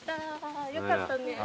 よかったね。